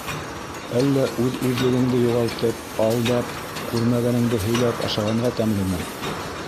Әллә үҙ-үҙлегеңде юғалтып, алдап, күрмәгәнеңде һөйләп ашағанға тәмлеме?